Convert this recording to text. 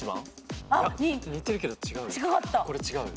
似てるけど違うよ。